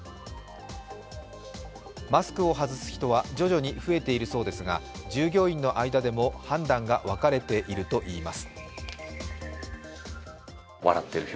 マスクを外す人は徐々に増えているそうですが、従業員の間でも判断が分かれているといいます。